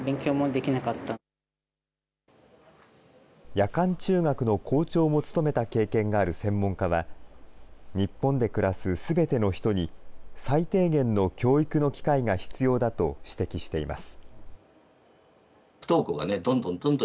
夜間中学の校長も務めた経験がある専門家は、日本で暮らすすべての人に最低限の教育の機会が必要だと指摘しています。